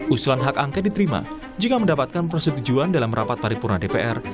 usulan hak angket diterima jika mendapatkan persetujuan dalam rapat paripurna dpr